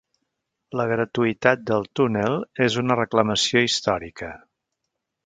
La gratuïtat del túnel és una reclamació històrica.